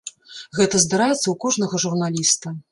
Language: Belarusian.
Гэта здараецца ў кожнага журналіста.